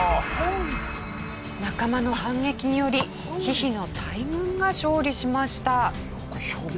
仲間の反撃によりヒヒの大群が勝利しました。